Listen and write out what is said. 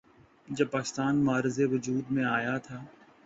جب پاکستان معرض وجود میں آیا تھا۔